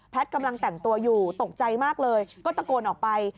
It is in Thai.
กำลังแต่งตัวอยู่ตกใจมากเลยก็ตะโกนออกไป